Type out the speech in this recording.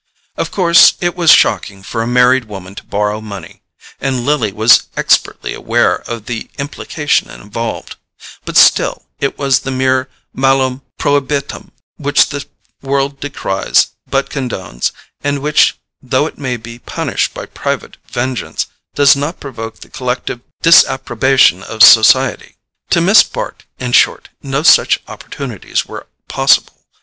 Of course it was shocking for a married woman to borrow money—and Lily was expertly aware of the implication involved—but still, it was the mere MALUM PROHIBITUM which the world decries but condones, and which, though it may be punished by private vengeance, does not provoke the collective disapprobation of society. To Miss Bart, in short, no such opportunities were possible.